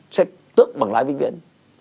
sẽ tước bằng lái vĩnh viễn